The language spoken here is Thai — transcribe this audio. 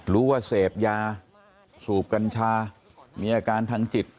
ว่าเสพยาสูบกัญชามีอาการทางจิต